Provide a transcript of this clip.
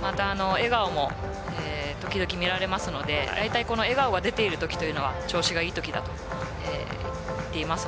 笑顔も時々見られるのでだいたい、この笑顔が出ているときというのは調子がいいときだと言っています。